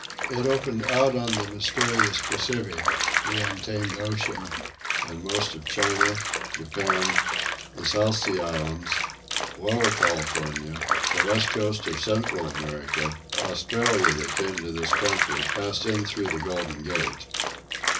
It opened out on the mysterious Pacific, the untamed ocean, and most of China, Japan, the South Sea Islands, Lower California, the west coast of Central America, Australia that came to this country passed in through the Golden Gate.